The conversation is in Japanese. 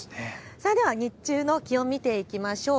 ては日中の気温を見ていきましょう。